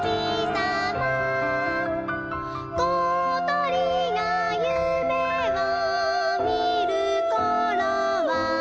「ことりがゆめをみるころは」